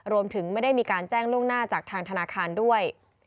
ไม่ได้มีการแจ้งล่วงหน้าจากทางธนาคารด้วย